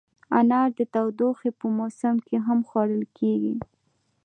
انار د تودوخې په موسم کې هم خوړل کېږي.